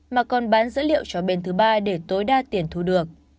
mà còn bán dữ liệu cho bên thứ ba để tối đa tiền thu được